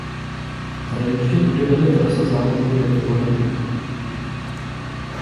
Tradičně tudy vede trasa závodu Rallye Bohemia.